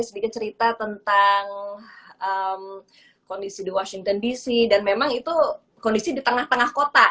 sedikit cerita tentang kondisi di washington dc dan memang itu kondisi di tengah tengah kota